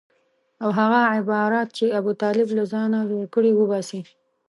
او هغه عبارات چې ابوطالب له ځانه جوړ کړي وباسي.